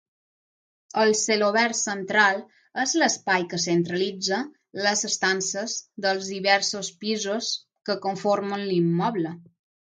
El celobert central és l'espai que centralitza les estances dels diversos pisos que conformen l'immoble.